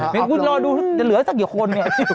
เมื่อกูรอดูจะเหลือสักกี่คน